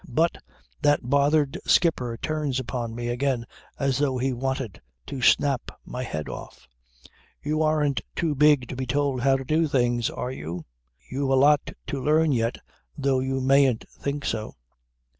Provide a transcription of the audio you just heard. But that bothered skipper turns upon me again as though he wanted to snap my head off. "You aren't too big to be told how to do things are you? You've a lot to learn yet though you mayn't think so."